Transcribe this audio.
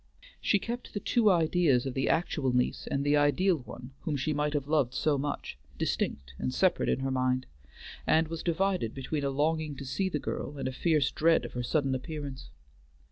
She kept the two ideas of the actual niece and the ideal one whom she might have loved so much distinct and separate in her mind, and was divided between a longing to see the girl and a fierce dread of her sudden appearance.